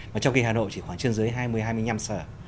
mà trong khi hà nội chỉ khoảng trên dưới hai mươi hai mươi năm sở